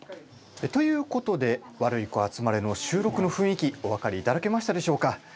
ということで「ワルイコあつまれ」の収録の雰囲気お分かりいただけましたでしょうか。